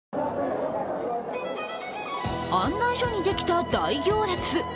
案内所にできた大行列。